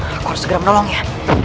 aku harus segera menolongnya